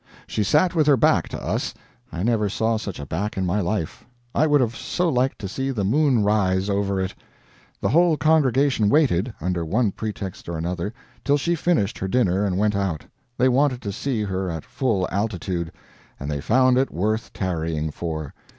She sat with her back to us. I never saw such a back in my life. I would have so liked to see the moon rise over it. The whole congregation waited, under one pretext or another, till she finished her dinner and went out; they wanted to see her at full altitude, and they found it worth tarrying for.